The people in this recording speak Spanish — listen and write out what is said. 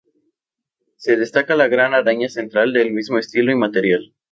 Se destaca la gran araña central del mismo estilo y material.